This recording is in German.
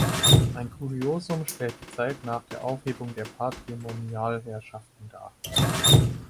Ein Kuriosum stellt die Zeit nach der Aufhebung der Patrimonialherrschaften dar.